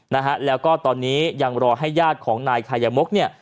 นะฮะแล้วก็ตอนนี้ยังรอให้ญาติของนายคายมกเนี่ย